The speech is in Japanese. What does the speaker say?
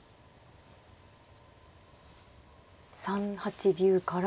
３八竜から３七。